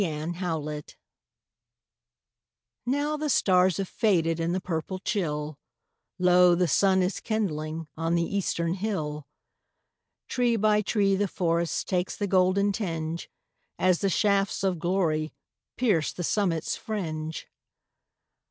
At Sunrise Now the stars have faded In the purple chill, Lo, the sun is kindling On the eastern hill. Tree by tree the forest Takes the golden tinge, As the shafts of glory Pierce the summit's fringe.